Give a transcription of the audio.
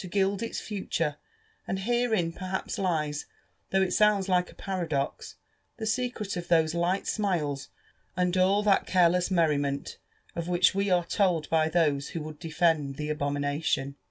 gild its future; and herein perhaps lies, though it sounds like a paradox, the secret of those light smiles and all that careless merriment of which we are told by those who would defend the abomination.